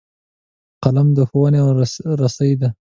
قلم د ښوونې رسۍ ده